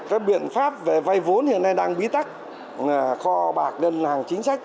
các biện pháp về vay vốn hiện nay đang bí tắc kho bạc đơn hàng chính sách